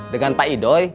dengan pak idoy